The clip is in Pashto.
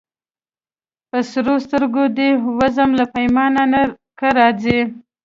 په سرو سترګو دي وزم له پیمانه که راځې